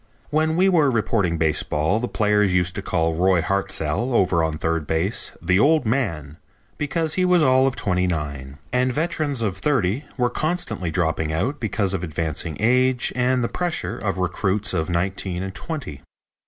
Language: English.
When we were reporting baseball the players used to call Roy Hartzell, over on third base, "the old man," because he was all of twenty nine, and veterans of thirty were constantly dropping out because of advancing age and the pressure of recruits of nineteen and twenty.